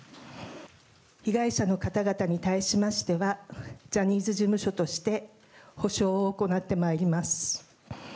被害者の方々に対しましては、ジャニーズ事務所として、補償を行ってまいります。